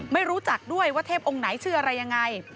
ไม่รู้จักด้วยว่าเทพองค์ไหนชื่ออะไรยังไง